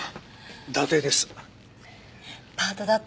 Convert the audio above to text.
伊達です。